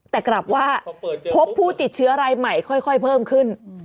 แต่กลับว่าพบผู้ติดเชื้อรายใหม่ค่อยเพิ่มขึ้น